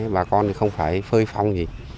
bà con thì không phải phơi phong gì